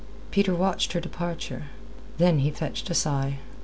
Peter watched her departure. Then he fetched a sigh.